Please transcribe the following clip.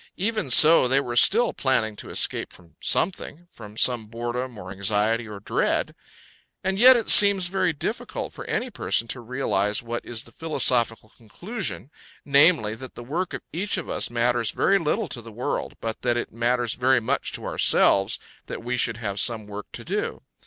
Even so they were still planning to escape from something from some boredom or anxiety or dread. And yet it seems very difficult for any person to realise what is the philosophical conclusion, namely, that the work of each of us matters very little to the world, but that it matters very much to ourselves that we should have some work to do.